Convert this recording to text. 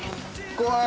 怖い。